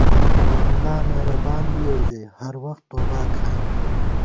اللہ مېرَبان بِیَؤ ژَئی، ہر وخت توبا کھائیمېم